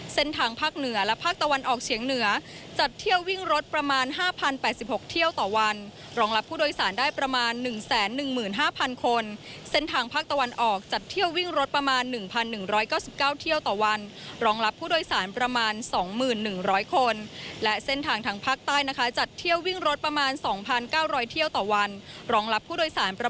เส้นทางภาคเหนือและภาคตะวันออกเฉียงเหนือจัดเที่ยววิ่งรถประมาณ๕๐๘๖เที่ยวต่อวันรองรับผู้โดยสารได้ประมาณ๑๑๕๐๐คนเส้นทางภาคตะวันออกจัดเที่ยววิ่งรถประมาณ๑๑๙๙เที่ยวต่อวันรองรับผู้โดยสารประมาณ๒๑๐๐คนและเส้นทางทางภาคใต้นะคะจัดเที่ยววิ่งรถประมาณ๒๙๐๐เที่ยวต่อวันรองรับผู้โดยสารประ